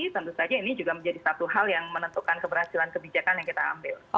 tentu saja ini juga menjadi satu hal yang menentukan keberhasilan kebijakan yang kita ambil